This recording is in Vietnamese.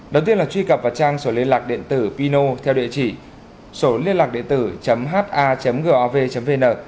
đầu tiên là truy cập vào trang sổ liên lạc điện tử pino theo địa chỉ sổliênlạcđiện tử ha gov vn